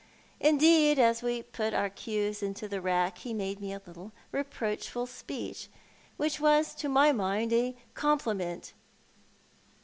Indeed, as we put our cues into the rack he made me a little reproachful speech which was to my mind a compliment.